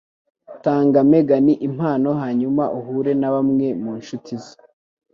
Tanga Megan impano hanyuma uhure na bamwe mu nshuti ze.